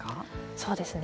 そうですね。